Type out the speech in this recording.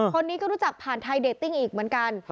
คนนี้ก็รู้จักผ่านไทยเดตติ้งอีกเหมือนกัน